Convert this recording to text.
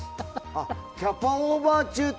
キャパオーバー中って。